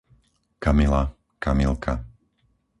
Kamila, Kamilka